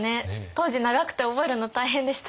当時長くて覚えるの大変でした。